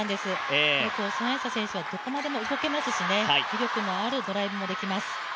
孫エイ莎選手はどこまでも動けますし、威力のあるドライブも打てます。